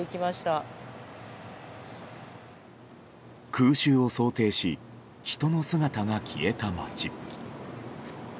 空襲を想定し人の姿が消えた街。